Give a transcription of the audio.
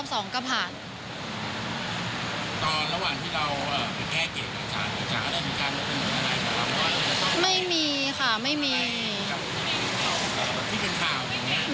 เพราะว่าเขาเป็นคนแบบ